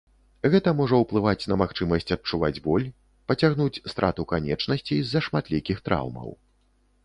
Гэта можа ўплываць на магчымасць адчуваць боль, пацягнуць страту канечнасцей з-за шматлікіх траўмаў.